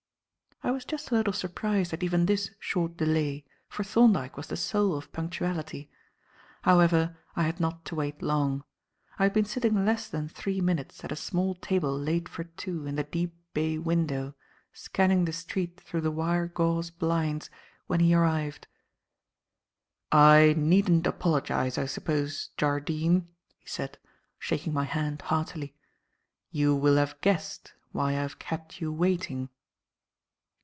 I was just a little surprised at even this short delay, for Thorndyke was the soul of punctuality. However, I had not to wait long. I had been sitting less than three minutes at a small table laid for two in the deep bay window, scanning the street through the wire gauze blinds, when he arrived. "I needn't apologize, I suppose, Jardine," he said, shaking my hand heartily. "You will have guessed why I have kept you waiting."